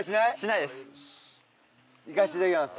いかしていただきます。